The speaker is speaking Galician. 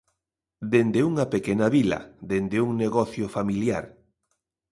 Dende unha pequena vila, dende un negocio familiar.